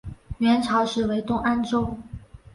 元朝时为东安州。